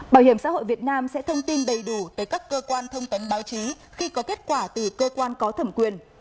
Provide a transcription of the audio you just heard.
bảo hiểm xã hội việt nam sẽ thông tin đầy đủ tới các cơ quan thông tấn báo chí khi có kết quả từ cơ quan có thẩm quyền